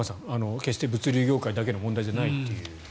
決して物流業界だけの問題じゃないという。